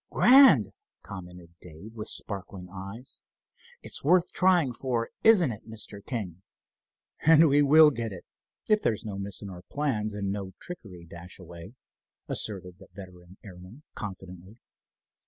"Grand!" commented Dave, with sparkling eyes. "It's worth trying for, isn't it, Mr. King?" "And we will get it, if there's no miss in our plans—and no trickery, Dashaway," asserted the veteran airman, confidently.